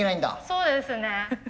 そうですね。